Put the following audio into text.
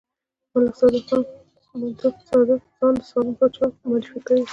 ملک صادق ځان د سالم پاچا معرفي کوي.